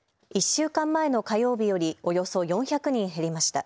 １週間前の火曜日よりおよそ４００人減りました。